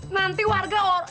nanti warga orang